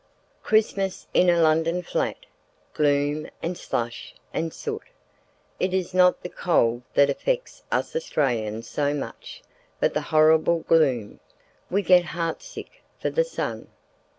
Christmas in a London flat. Gloom and slush and soot. It is not the cold that affects us Australians so much, but the horrible gloom. We get heart sick for the sun.